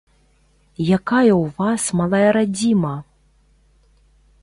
Якая ў вас малая радзіма?